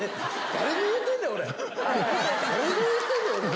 誰に言うてんねん、俺は。